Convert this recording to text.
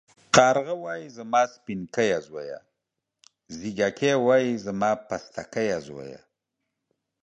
کارگه وايي زما سپينکيه زويه ، ځېږگى وايي زما پستکيه زويه.